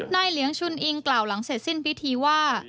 เหลียงชุนอิงกล่าวหลังเสร็จสิ้นพิธีว่า